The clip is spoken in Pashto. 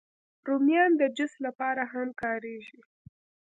رومیان د جوس لپاره هم کارېږي